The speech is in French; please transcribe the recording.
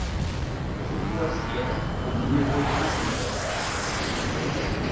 Rue Boissière au numéro trente-neuf